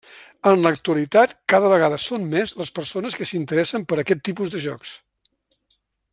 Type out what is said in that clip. En l'actualitat, cada vegada són més les persones que s'interessen per aquest tipus de jocs.